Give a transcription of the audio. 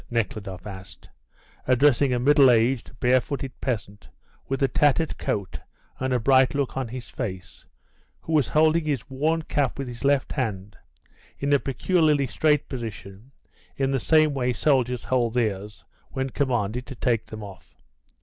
Nekhludoff asked, addressing a middle aged, barefooted peasant, with a tattered coat, and a bright look on his face, who was holding his worn cap with his left hand, in a peculiarly straight position, in the same way soldiers hold theirs when commanded to take them off.